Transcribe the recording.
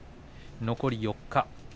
残り４日。